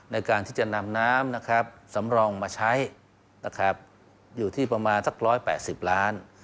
ในการที่จะนำน้ำสำรองมาใช้นะครับอยู่ที่ประมาณสัก๑๘๐ล้าน